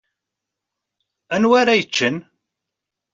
Anwa ara yeččen?